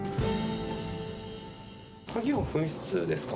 鍵は紛失ですか？